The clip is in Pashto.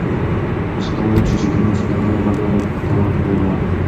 تاسو کولای شئ چې تېنس په ازاده فضا یا په تالار کې وکړئ.